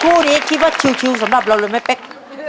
คู่นี้คิดว่าชิวสำหรับเราเลยไหมเป๊ก